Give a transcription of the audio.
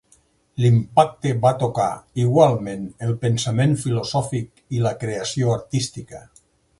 L'impacte va tocar igualment el pensament filosòfic i la creació artística.